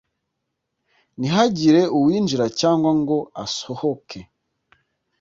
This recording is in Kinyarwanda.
ntihagire uwinjira cyangwa ngo asohoke